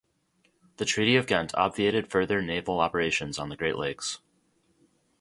The Treaty of Ghent obviated further naval operations on the Great Lakes.